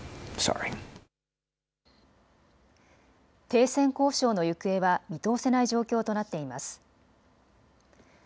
停戦交渉の行方は見通せない状況となっています。